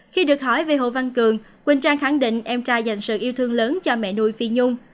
khi được hỏi về hồ văn cường quỳnh trang khẳng định em trai dành sự yêu thương lớn cho mẹ nuôi phi nhung